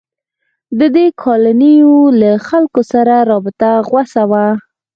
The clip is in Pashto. د دې کالونیو له خلکو سره رابطه غوڅه وه.